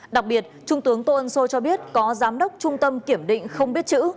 đặc biệt trung tướng tô ân sô cho biết có giám đốc trung tâm kiểm định không biết chữ